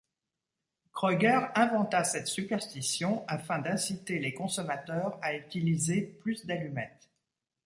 Kreuger inventa cette superstition afin d'inciter les consommateurs à utiliser plus d'allumettes.